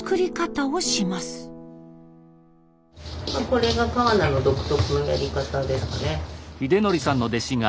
これが川名の独特なやり方ですかね。